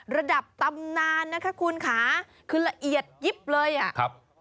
ระดับตำนานนะคะคุณค่ะคือละเอียดยิบเลยอ่ะครับ